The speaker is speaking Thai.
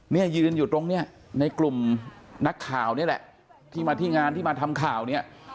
เนี่ยยืนอยู่ตรงเนี่ยในกลุ่มนักข่าวนี่แหละที่มาที่งานที่มาทำข่าวเนี่ย